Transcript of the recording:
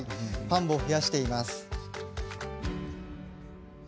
ファンを増やしています。